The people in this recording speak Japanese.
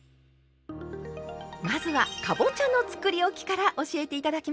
まずはかぼちゃのつくりおきから教えて頂きましょう。